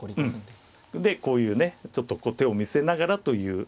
でこういうねちょっとこう手を見せながらという。